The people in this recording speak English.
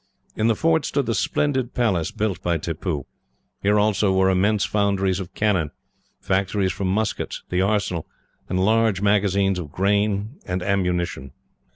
In the fort stood the splendid palace built by Tippoo. Here also were immense foundries of cannon, factories for muskets, the arsenal, and large magazines of grain and ammunition.